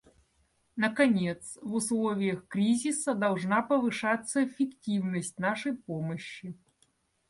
Наконец, в условиях кризиса должна повышаться эффективность нашей помощи.